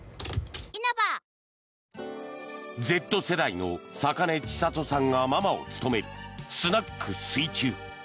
Ｚ世代の坂根千里さんがママを務めるスナック水中。